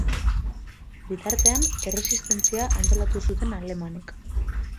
Bitartean, erresistentzia antolatu zuten alemanek.